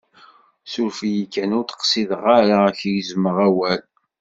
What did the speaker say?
Suref-iyi kan, ur d-qsideɣ ara k-gezmeɣ awal.